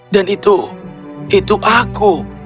dan itu itu aku